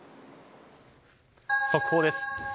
速報です。